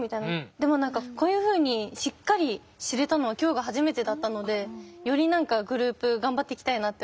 でも何かこういうふうにしっかり知れたのは今日が初めてだったのでより何かグループ頑張っていきたいなって思いました。